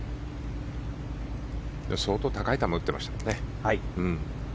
相当、高い球を打ってましたね。